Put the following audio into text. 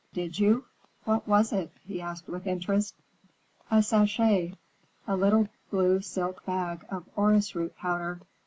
"Did you? What was it?" he asked with interest. "A sachet. A little blue silk bag of orris root powder.